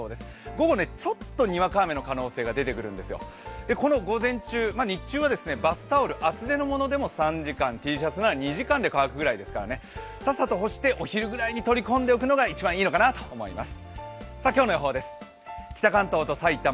午後、ちょっとにわか雨の可能性が出てくるんですよ、午前中、日中は、バスタオル、厚手のものでも３時間Ｔシャツなら２時間ぐらいで乾きますから、さっさと干してお昼ぐらいに取り込んでおくのがいいかなと思います。